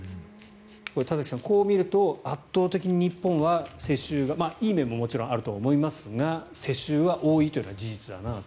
田崎さん、こう見ると圧倒的に日本は世襲がいい面ももちろんあると思いますが世襲は多いというのは事実だなと。